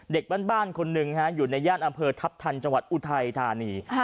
เด็กบ้านคนหนึ่งอยู่ในย่านอำเภอทัพทันจังหวัดอุทัยธานี